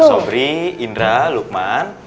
sobri indra lukman